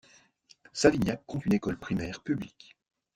Savignac compte une école primaire publique.